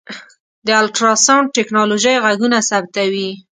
د الټراسونډ ټکنالوژۍ غږونه ثبتوي.